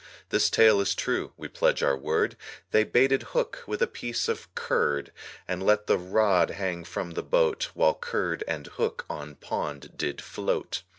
This tale is true we pledge our word, They baited hook with a piece of curd, And let the rod hang from the boat, While curd and hook on pond did float.